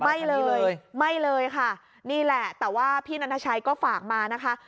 ไม่เลยไม่เลยค่ะนี่แหละแต่ว่าพี่นันทชัยก็ฝากมานะคะ